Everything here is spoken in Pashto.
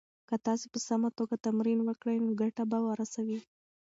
که تاسي په سمه توګه تمرین وکړئ نو ګټه به ورسوي.